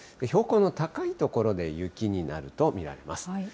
標高の高い所で雪になると見られます。